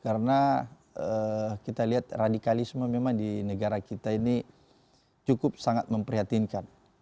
karena kita lihat radikalisme memang di negara kita ini cukup sangat memprihatinkan